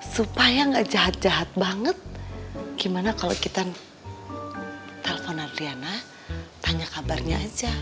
supaya nggak jahat jahat banget gimana kalau kita telpon adriana tanya kabarnya aja